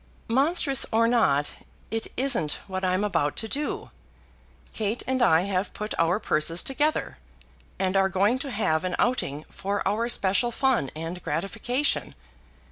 "Monstrous or not, it isn't what I'm about to do. Kate and I have put our purses together, and are going to have an outing for our special fun and gratification.